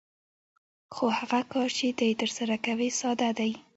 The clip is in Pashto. خو هغه کار چې ته یې ترسره کوې ساده دی